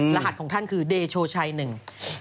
รหัสของท่านคือเดโชชัยหนึ่ง